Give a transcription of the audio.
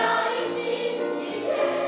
信じて